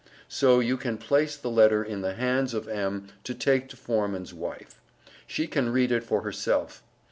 So you can place the letter in the hands of M. to take to forman's wife, She can read it for herself.